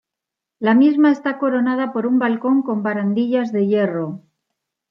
La misma está coronada por un balcón con barandillas de hierro.